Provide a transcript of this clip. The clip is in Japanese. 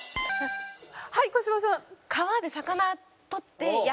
はい小芝さん。